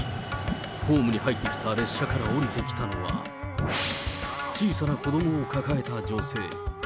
ホームに入ってきた列車から降りてきたのは、小さな子どもを抱えた女性。